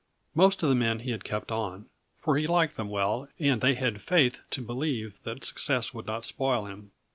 Most of the men he had kept on, for he liked them well and they had faith to believe that success would not spoil him.